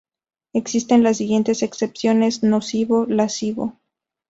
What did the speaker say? Existen las siguientes excepciones: nocivo, lascivo.